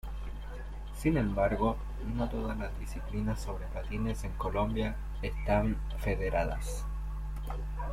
Sin embargo, no todas las disciplinas sobre patines en Colombia, están federadas.